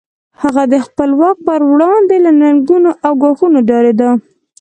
هغه د خپل واک پر وړاندې له ننګونو او ګواښونو ډارېده.